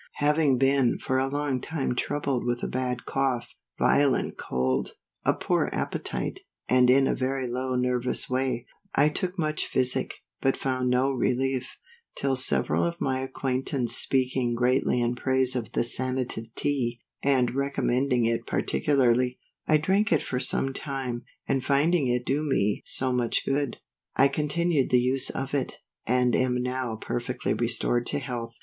_ HAVING been for a long time troubled with a bad cough, violent cold, a poor appetite, and in a very low nervous way; I took much physic, but found no relief; till several of my acquaintance speaking greatly in praise of the Sanative Tea, and recommending it particularly, I drank it for some time, and finding it do me so much good, I continued the use of it, and am now perfectly restored to health.